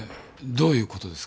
どういうことですか？